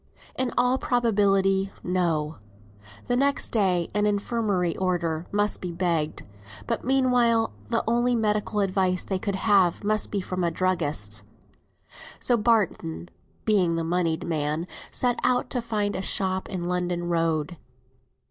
In all probability, no; the next day an infirmary order might be begged, but meanwhile the only medical advice they could have must be from a druggist's. So Barton (being the moneyed man) set out to find a shop in London Road.